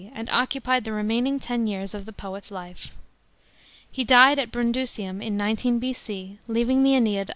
and occupied the remaining ten years of the poet's life. He died at Brundusium in 19 B.C., leaving the Mneid.